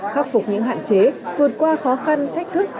khắc phục những hạn chế vượt qua khó khăn thách thức